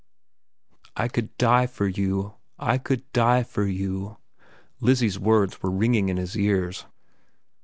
"I could die for you! I could die for you!"—Lizzie's words were ringing in his ears.